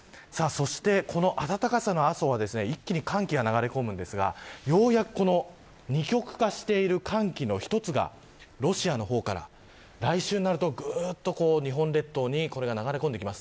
この暖かさの後は、一気に寒気が流れ込むんですがようやく二極化している寒気の一つがロシアの方から、来週になると日本列島に流れ込んできます。